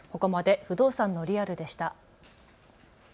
ここまで不動産のリアルでした。